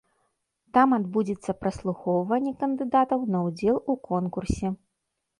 Там адбудзецца праслухоўванне кандыдатаў на ўдзел у конкурсе.